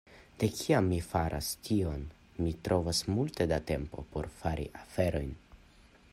De kiam mi faras tion, mi trovas multe da tempo por fari aferojn.